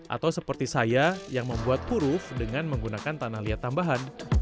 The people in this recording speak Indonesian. atau seperti saya yang membuat kuruf dengan menggunakan tanah liat tambahan